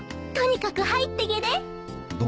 とにかく入ってけで。